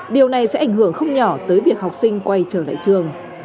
điều này sẽ ảnh hưởng không nhỏ tới việc học sinh quay trở lại trường